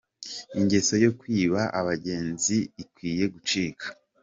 Ingeso yo kwiba abagenzi ikwiye gucika.